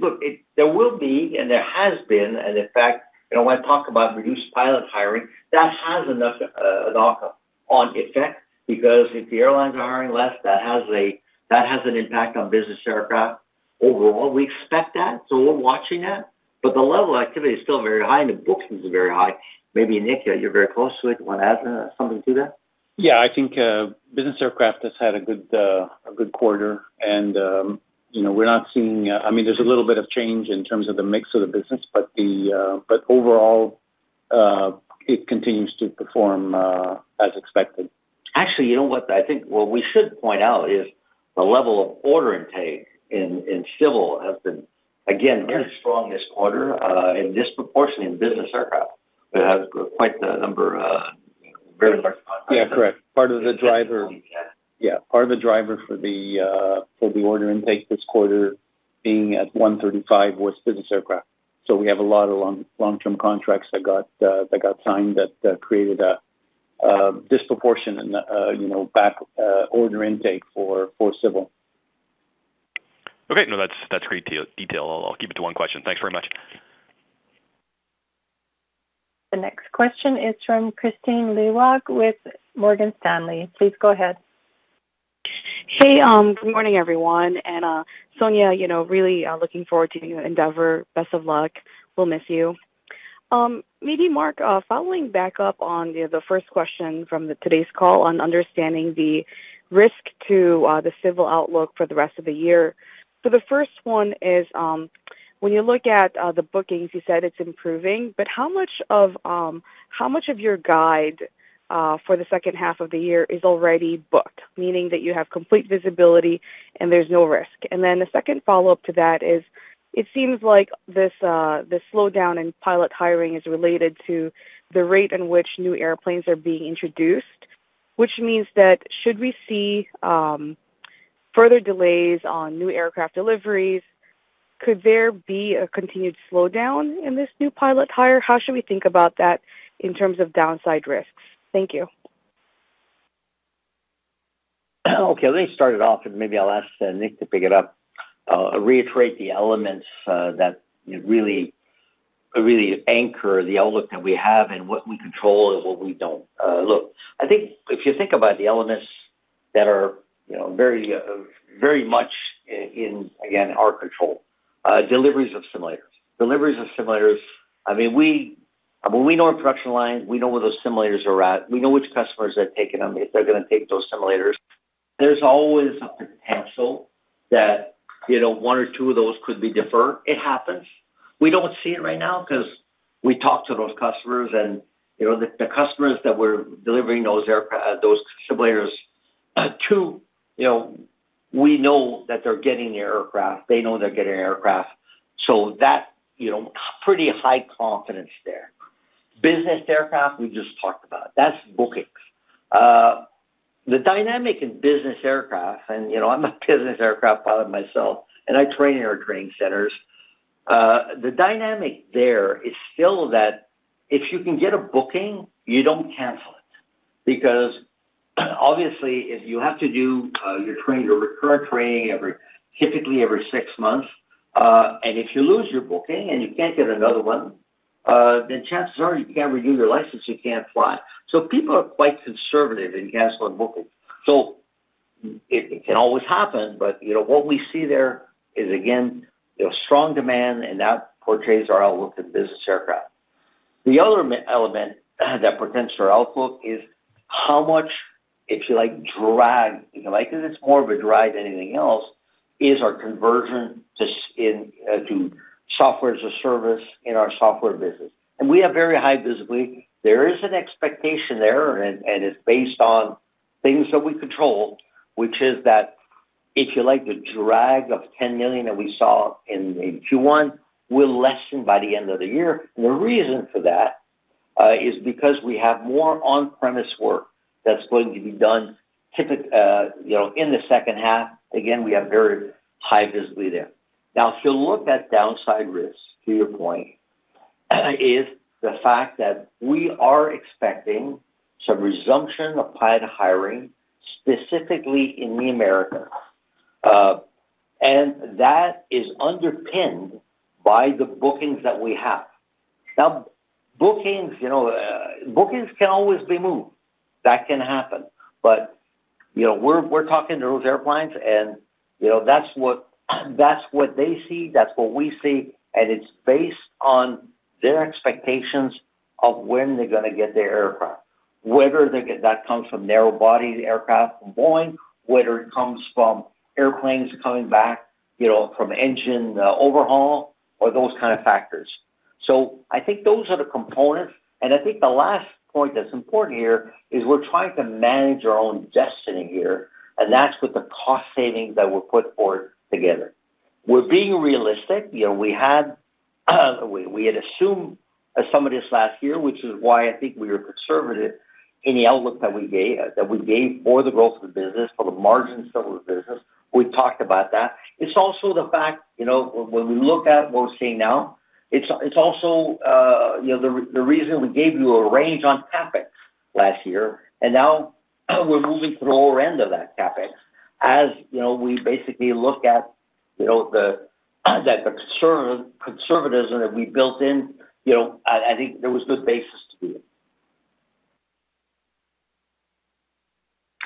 Look, it, there will be, and there has been, and in fact, you know, when I talk about reduced pilot hiring, that has enough, an outcome on effect, because if the airlines are hiring less, that has an impact on business aircraft. Overall, we expect that, so we're watching that, but the level of activity is still very high, and the bookings are very high. Maybe, Nick, you're very close to it. You want to add, something to that? Yeah, I think business aircraft has had a good, a good quarter, and you know, we're not seeing... I mean, there's a little bit of change in terms of the mix of the business, but the, but overall, it continues to perform as expected. Actually, you know what? I think what we should point out is the level of order intake in Civil has been, again, very strong this quarter, and disproportionately in business aircraft. It has quite a number of very large contracts. Yeah, correct. Part of the driver- Yeah. Yeah, part of the driver for the order intake this quarter being at 135 with business aircraft. So we have a lot of long-term contracts that got signed that created a disproportionate, you know, backlog order intake for civil. Okay. No, that's, that's great detail. I'll, I'll keep it to one question. Thanks very much. The next question is from Kristine Liwag with Morgan Stanley. Please go ahead. Hey, good morning, everyone. And, Sonya, you know, really, looking forward to your endeavor. Best of luck. We'll miss you. Maybe, Marc, following back up on the first question from today's call on understanding the risk to the Civil outlook for the rest of the year. So the first one is, when you look at the bookings, you said it's improving, but how much of how much of your guide for the second half of the year is already booked, meaning that you have complete visibility and there's no risk? And then the second follow-up to that is, it seems like this slowdown in pilot hiring is related to the rate in which new airplanes are being introduced, which means that should we see further delays on new aircraft deliveries, could there be a continued slowdown in this new pilot hire? How should we think about that in terms of downside risks? Thank you. Okay, let me start it off, and maybe I'll ask Nick to pick it up. Reiterate the elements that you know really really anchor the outlook that we have and what we control and what we don't. Look, I think if you think about the elements that are you know very very much in again our control deliveries of simulators. Deliveries of simulators, I mean, we know our production line, we know where those simulators are at, we know which customers are taking them, if they're gonna take those simulators. There's always a potential that you know one or two of those could be deferred. It happens. We don't see it right now because we talk to those customers, and, you know, the customers that we're delivering those simulators to, you know, we know that they're getting their aircraft. They know they're getting aircraft. So that, you know, pretty high confidence there. Business aircraft, we just talked about. That's bookings. The dynamic in business aircraft, and, you know, I'm a business aircraft pilot myself, and I train in our training centers. The dynamic there is still that if you can get a booking, you don't cancel it. Because obviously, if you have to do your training, your recurrent training typically every six months, and if you lose your booking and you can't get another one, then chances are you can't renew your license, you can't fly. So people are quite conservative in canceling bookings. So it can always happen, but, you know, what we see there is, again, you know, strong demand, and that portrays our outlook in business aircraft. The other element that portends our outlook is how much, if you like, drag, you know, like, this is more of a drag than anything else, is our conversion to software as a service in our software business. And we have very high visibility. There is an expectation there, and it's based on things that we control, which is that if you like the drag of $10 million that we saw in Q1, will lessen by the end of the year. And the reason for that is because we have more on-premise work that's going to be done, you know, in the second half. Again, we have very high visibility there. Now, if you look at downside risks, to your point, is the fact that we are expecting some resumption of pilot hiring, specifically in the Americas, and that is underpinned by the bookings that we have. Now, bookings, you know, bookings can always be moved. That can happen, but, you know, we're, we're talking to those airlines and, you know, that's what, that's what they see, that's what we see, and it's based on their expectations of when they're gonna get their aircraft. Whether they get- that comes from narrow-bodied aircraft from Boeing, whether it comes from airplanes coming back, you know, from engine overhaul or those kind of factors. So I think those are the components, and I think the last point that's important here is we're trying to manage our own destiny here, and that's with the cost savings that were put forward together. We're being realistic. You know, we had assumed at some of this last year, which is why I think we were conservative in the outlook that we gave for the growth of the business, for the margins of the business. We've talked about that. It's also the fact, you know, when we look at what we're seeing now, it's also, you know, the reason we gave you a range on CapEx last year, and now we're moving to the lower end of that CapEx. As you know, we basically look at, you know, the conservatism that we built in, you know, I think there was good basis to do it.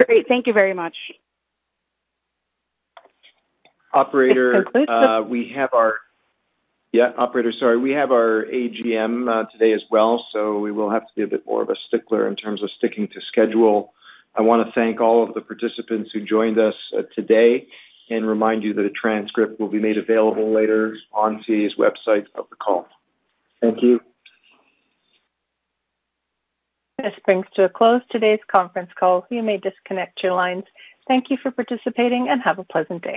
Great. Thank you very much. Operator, yeah, operator, sorry. We have our AGM today as well, so we will have to be a bit more of a stickler in terms of sticking to schedule. I wanna thank all of the participants who joined us today, and remind you that a transcript will be made available later on CAE's website of the call. Thank you. This brings to a close today's conference call. You may disconnect your lines. Thank you for participating, and have a pleasant day.